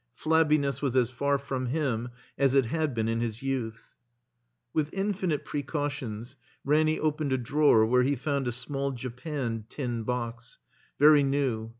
Plabbiness was as far from him as it had been in his youth. With infinite precautions, Ranny opened a drawer where he found a small japanned tin box, very new.